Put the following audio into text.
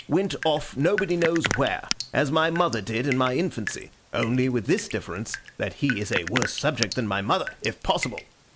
Went off, nobody knows where: as my mother did in my infancy—only with this difference, that he is a worse subject than my mother, if possible.